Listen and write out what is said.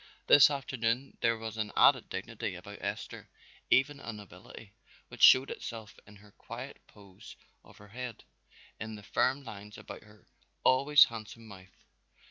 This afternoon there was an added dignity about Esther, even a nobility, which showed itself in the quiet poise of her head, in the firm lines about her always handsome mouth.